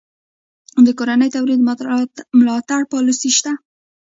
د کورني تولید ملاتړ پالیسي شته؟